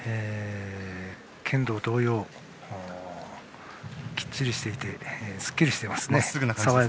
剣道同様きっちりしていてすっきりしていますね。